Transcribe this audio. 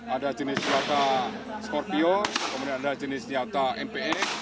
ada jenis jata scorpio kemudian ada jenis jata mpe